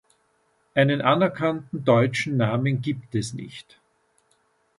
Einen anerkannten deutschen Namen gibt es nicht.